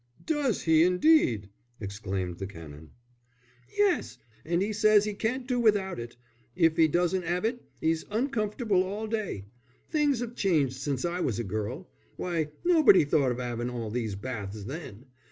"Does he, indeed!" exclaimed the Canon. "Yes, and 'e says he can't do without it: if 'e doesn't 'ave it, 'e's uncomfortable all day. Things 'ave changed since I was a girl. Why, nobody thought of 'aving all these baths then.